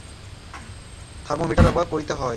তখন alcohol thermometer ব্যবহার করিতে হয়।